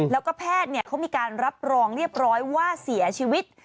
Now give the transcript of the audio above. แล้วก็แพทย์เขามีการรับรองเรียบร้อยว่าเสียชีวิต